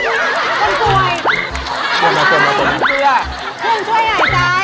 คุณช่วยหายใจ